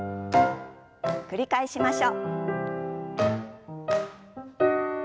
繰り返しましょう。